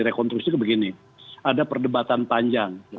rekonstruksi begini ada perdebatan panjang